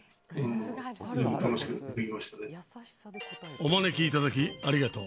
お招きいただきありがとう。